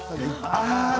あ